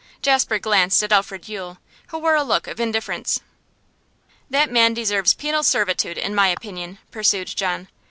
Jasper glanced at Alfred Yule, who wore a look of indifference. 'That man deserves penal servitude in my opinion,' pursued John.